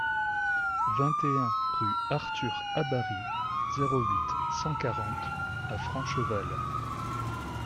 vingt et un rue Arthur Habary, zéro huit, cent quarante à Francheval